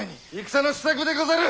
戦の支度でござる！